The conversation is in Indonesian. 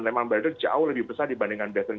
lehman brothers jauh lebih besar dibandingkan bestern